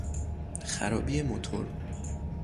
خرابی موتور